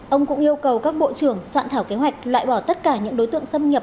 ông cũng yêu cầu các bộ trưởng soạn thảo kế hoạch loại bỏ tất cả những đối tượng sân